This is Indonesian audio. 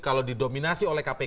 kalau didominasi oleh kpk